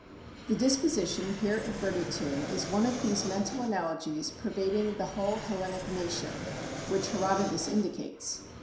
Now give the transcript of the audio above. The disposition here adverted to is one of these mental analogies pervading the whole Hellenic nation, which Herodotus indicates.